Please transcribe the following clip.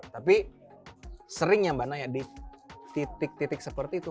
tapi seringnya mbak naya di titik titik seperti itu